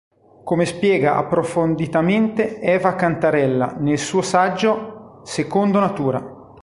Come spiega approfonditamente Eva Cantarella nel suo saggio "Secondo natura.